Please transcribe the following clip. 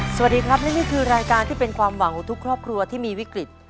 สวัสดีครับและนี่คือรายการที่เป็นความหวังของทุกครอบครัวที่มีวิกฤต